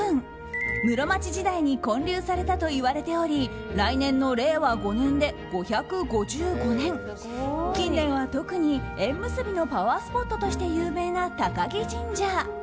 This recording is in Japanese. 室町時代に建立されたといわれており来年の令和５年で５５５年近年は特に縁結びのパワースポットとして有名な高木神社。